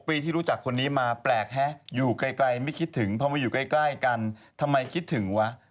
ปีที่รู้จักคนนี้มาแปลกฮะอยู่ไกลไม่คิดถึงพอมาอยู่ใกล้กันทำไมคิดถึงวะ